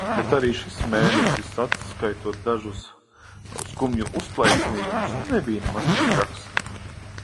Bet arī šis mēnesis, atskaitot dažus skumju uzplaiksnījumus, nebija nemaz tik traks.